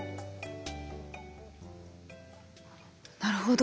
なるほど。